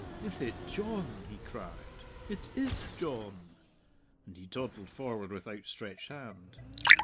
"Ith it Dyohn?" he cried. "It ith Dyohn!" And he toddled forward with outstretched hand.